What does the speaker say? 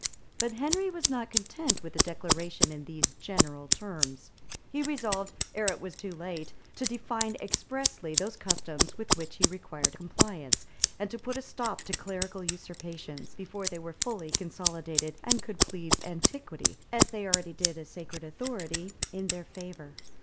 But Henry was not content with a declaration in these general terms; he resolved, ere it was too late, to define expressly those customs with which he required compliance, and to put a stop to clerical usurpations, before they were fully consolidated, and could plead antiquity, as they already did a sacred authority, in their favor.